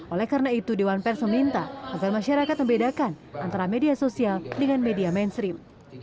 oleh karena itu dewan pers meminta agar masyarakat membedakan antara media sosial dengan media mainstream